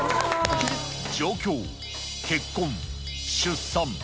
上京、結婚、出産。